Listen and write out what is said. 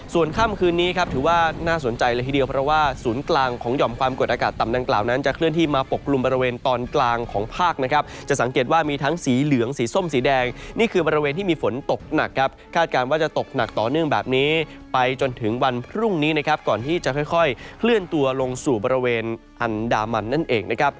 ส่วนค่ำคืนนี้ครับถือว่าน่าสนใจเลยทีเดียวเพราะว่าศูนย์กลางของหย่อมความกวดอากาศต่ำดังกล่าวนั้นจะเคลื่อนที่มาปกกลุ่มบริเวณตอนกลางของภาคนะครับจะสังเกตว่ามีทั้งสีเหลืองสีส้มสีแดงนี่คือบริเวณที่มีฝนตกหนักครับคาดการว่าจะตกหนักต่อเนื่องแบบนี้ไปจนถึงวันพรุ่งนี้นะครับก่